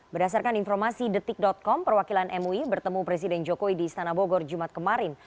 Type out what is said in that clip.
berdasarkan informasi detik com perwakilan mui bertemu presiden jokowi di istana bogor jumat kemarin